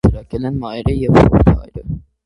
Նրան դաստիարակել են մայրը և խորթ հայրը։